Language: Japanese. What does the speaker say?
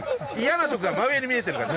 嫌なところが真上に見えてるから。